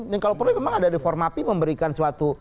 dan kalau perlu memang ada reformapi memberikan suatu